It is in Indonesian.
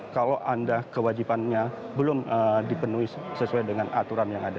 kalau anda kewajibannya belum dipenuhi sesuai dengan aturan yang ada